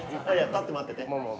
立って待ってて。